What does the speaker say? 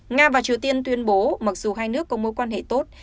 nga và triều tiên tuyên bố mặc dù hai nước có mối quan hệ tốt